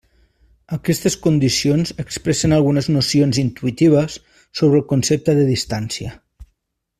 Aquestes condicions expressen algunes nocions intuïtives sobre el concepte de distància.